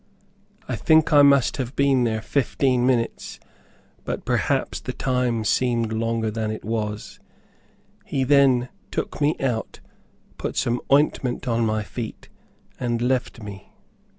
I think I must have been there fifteen minutes, but perhaps the time seemed longer than it was. He then took me out, put some ointment on my feet and left me.